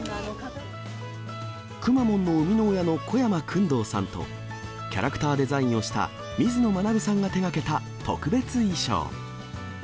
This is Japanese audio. くまモンの生みの親の小山薫堂さんと、キャラクターデザインをした水野学さんが手がけた特別衣装。